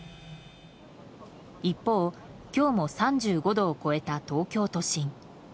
一方、今日も３５度を超えた東京都心。